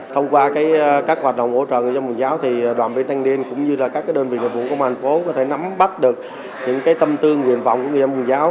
thông qua các hoạt động hỗ trợ người dân quốc giáo đoàn viên thanh niên cũng như các đơn vị vận vụ công an phố có thể nắm bắt được những tâm tư nguyện vọng của người dân quốc giáo